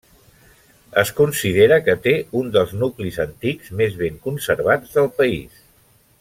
Es considera que té un dels nuclis antics més ben conservats del país.